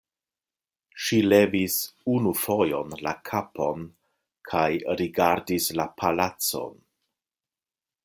Ŝi levis unu fojon la kapon kaj rigardis la palacon.